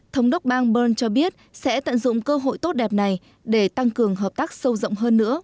thống đốc bang bern cho biết sẽ tận dụng cơ hội tốt đẹp này để tăng cường hợp tác sâu rộng hơn nữa